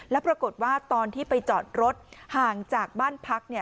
แล้วปรากฏว่าตอนที่ไปจอดรถห่างจากบ้านพัก